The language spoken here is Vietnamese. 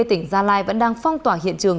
tỉnh gia lai vẫn đang phong tỏa hiện trường